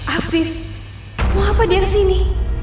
afif mau apa di sini